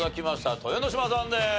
豊ノ島さんです。